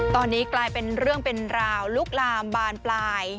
ตอนนี้กลายเป็นเรื่องเป็นราวลุกลามบานปลาย